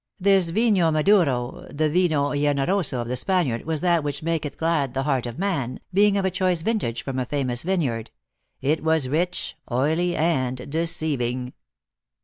This vinho madu ro, the vino generoso of the Spaniard, was that which maketh glad the hea#t of man, being of a choice vintage from a famous vineyard. It was rich, oily and deceiving.